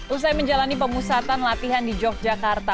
usai menjalani pemusatan latihan di yogyakarta